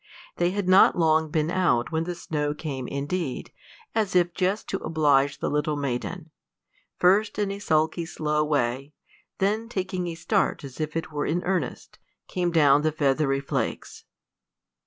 They had not long been out when the snow came indeed, as if just to oblige the little maiden; first in a sulky, slow way, then taking a start as if it were in earnest, down came the feathery flakes.